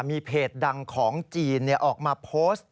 มีเพจดังของจีนออกมาโพสต์